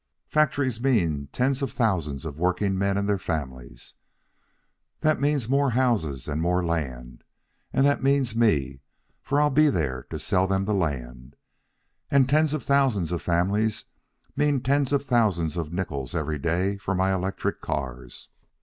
Factories mean tens of thousands of workingmen and their families. That means more houses and more land, and that means me, for I'll be there to sell them the land. And tens of thousands of families means tens of thousands of nickels every day for my electric cars.